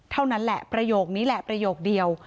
เท่านั้นแหละประโยคนี้แหละประโยคเดียว